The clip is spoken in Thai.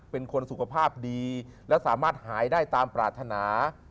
เป็นคนสุขภาพดีและสามารถหายได้ตามปรารถนา